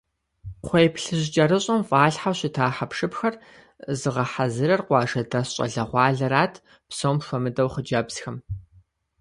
Кхъуейплъыжь кӏэрыщӏэм фӏалъхьэу щыта хьэпшыпхэр зыгъэхьэзырыр къуажэдэс щӏалэгъуалэрат, псом хуэмыдэу хъыджэбзхэм.